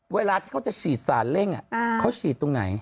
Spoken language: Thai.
เวลาที่เขาจะฉีดสารเร่งเขาฉีดตรงไหน